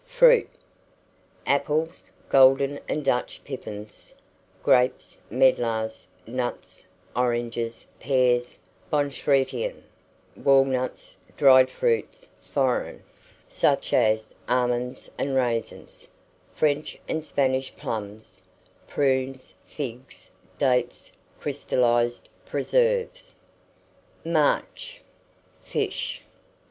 FRUIT. Apples (golden and Dutch pippins), grapes, medlars, nuts, oranges, pears (Bon Chrétien), walnuts, dried fruits (foreign), such as almonds and raisins; French and Spanish plums; prunes, figs, dates, crystallized preserves. MARCH. FISH.